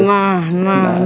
nah nah nah